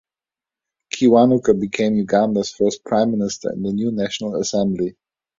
Kiwanuka became Uganda's first prime minister in the new National Assembly.